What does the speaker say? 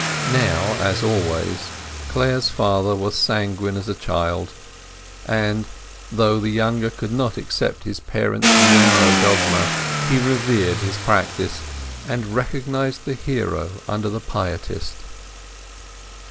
Now, as always, Clare's father was sanguine as a child; and though the younger could not accept his parent's narrow dogma, he revered his practice and recognized the hero under the pietist.